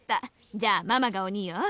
じゃあママが鬼よ